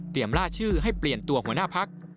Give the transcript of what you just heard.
ล่าชื่อให้เปลี่ยนตัวหัวหน้าพัก